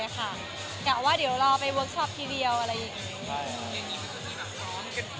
กะอาว่าเดี๋ยวเราเอาไปเวิร์กชอปที่เรียลอะไรแบบนี้